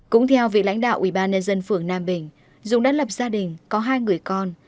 cũng theo vị lãnh đạo ubnd phương nam bình dũ đã lập gia đình có hai người con